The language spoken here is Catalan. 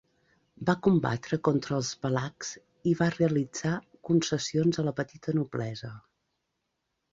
Va combatre contra els valacs i va realitzar concessions a la petita noblesa.